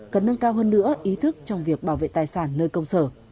cần nâng cao hơn nữa ý thức trong việc bảo vệ tài sản nơi công sở